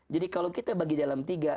jadi kalau kita bagi dalam tiga